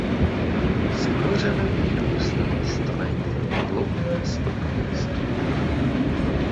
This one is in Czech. Z kořene vyrůstá stonek a dlouhé stopky listů.